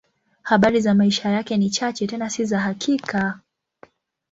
Habari za maisha yake ni chache, tena si za hakika.